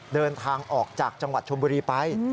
เดินทางออกจากจังหวัดชมบุรีไป